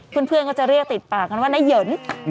เพื่อนก็จะเรียกติดปากกันว่าน้าเหยิน